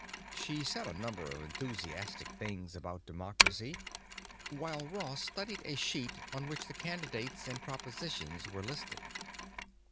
She said a number of enthusiastic things about Democracy while Ross studied a sheet on which the candidates and propositions were listed.